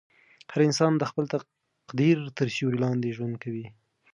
هر انسان د خپل تقدیر تر سیوري لاندې ژوند کوي.